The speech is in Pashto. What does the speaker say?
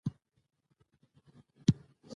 پښتو ژبه د ملتونو ترمنځ پیوستون راولي.